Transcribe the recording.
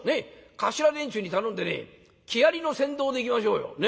頭連中に頼んでね木遣りの先導で行きましょうよ。